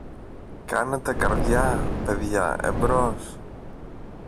Κάνετε καρδιά, παιδιά, εμπρός!